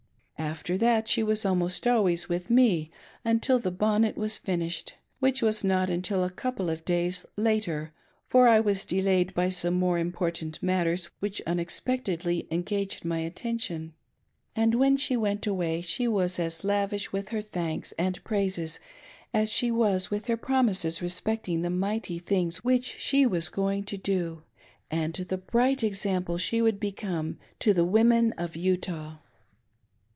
After that she was almost always with me until the bonnet was finished, which was not until a couple of days later, for I was delayed by some more important matters which unexpect edly engaged my attention ; and when she went away she was as lavish with her thanks and praises as she was with her .promises respecting the mighty things which she was going to do, and the bright example she would become to the women of. Utah.